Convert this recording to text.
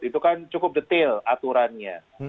itu kan cukup detail aturannya